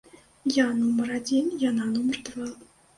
Я нумар адзін, яна нумар два.